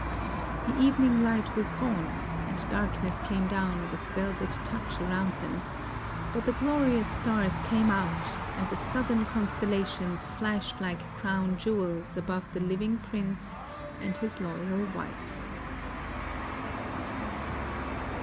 The evening Hght was gone, and darkness came down ^"ith velvet touch around them, but the glorious stars came out and the southern constel lations flashed hke crown jewels above the H\T.ng prince and his loyal wife.